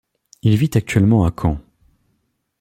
Il vit actuellement à Caen.